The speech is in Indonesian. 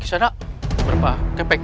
bisa enak berapa kepek